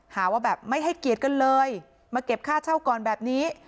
หาว่าแบบไม่ให้เกียรติกันเลยมาเก็บค่าเช่าก่อนแบบนี้